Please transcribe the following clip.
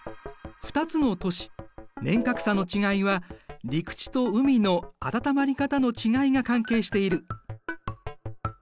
２つの都市年較差の違いは陸地と海の温まり方の違いが関係している。